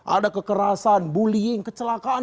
ada kekerasan bullying kecelakaan